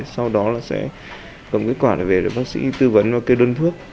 sau đó là sẽ cầm kết quả về để bác sĩ tư vấn và kêu đơn thuốc